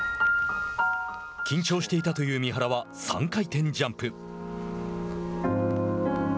緊張していたという三原は３回転ジャンプ。